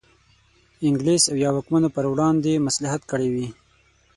انګلیس او یا واکمنو پر وړاندې مصلحت کړی وي.